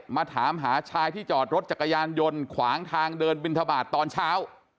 มาถามหาชายที่จอดรถจักรยานยนต์ขวางทางเดินบินทบาทตอนเช้า